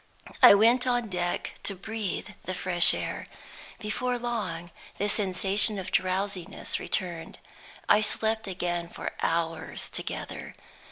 I went on deck to breathe the fresh air. Before long the sensation of drowsiness returned; I slept again for hours together.